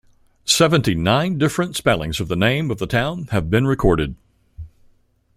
Seventy-nine different spellings of the name of the town have been recorded.